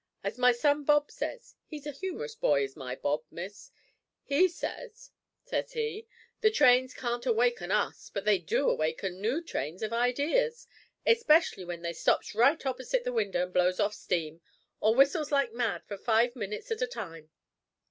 As my son Bob says he's a humorous boy is my Bob, Miss he says, says he, the trains can't awaken us, but they do awaken noo trains of ideas, especially w'en they stops right opposite the winder an' blows off steam, or whistles like mad for five minutes at a time.